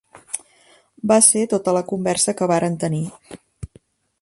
Va ser tota la conversa que varen tenir.